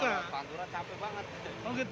karena kalau panturan capek banget